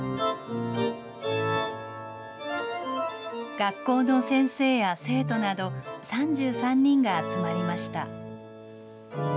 学校の先生や生徒など、３３人が集まりました。